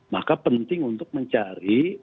maka penting untuk mencari